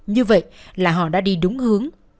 như vậy là họ đã đi đúng hướng